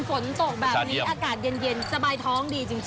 ฝนตกแบบนี้อากาศเย็นสบายท้องดีจริง